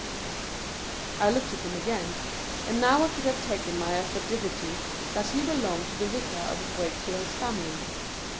[Conducted by I looked at him again, and now I could have taken my affidavit that he belonged to the Vicar of Wakefield's family.